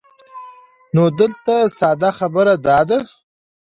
نو دلته ساده خبره دا ده